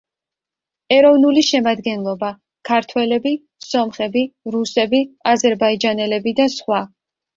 ეროვნული შემადგენლობა: ქართველები, სომხები, რუსები, აზერბაიჯანელები და სხვა.